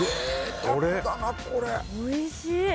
おいしい。